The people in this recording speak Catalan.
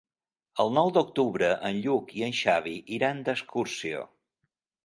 El nou d'octubre en Lluc i en Xavi iran d'excursió.